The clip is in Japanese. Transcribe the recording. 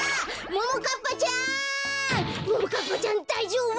ももかっぱちゃんだいじょうぶ？